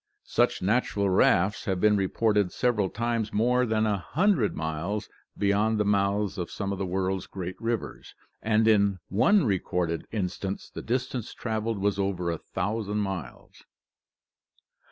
Such natural rafts have been reported several times more than a hundred miles beyond the mouths of some of the world's great rivers and in one recorded instance the distance traveled was over a thousand miles!